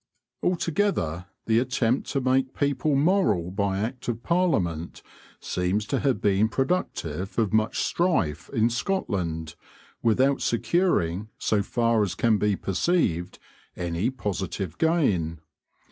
Altogether the attempt to make people moral by Act of Parliament seems to have been productive of much strife in Scotland, without securing, so far as can be perceived, any positive gain.